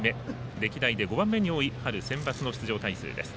歴代で５番目に多い春センバツの出場回数です。